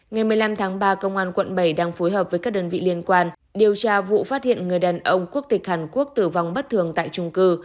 ngày một mươi năm tháng ba công an quận bảy đang phối hợp với các đơn vị liên quan điều tra vụ phát hiện người đàn ông quốc tịch hàn quốc tử vong bất thường tại trung cư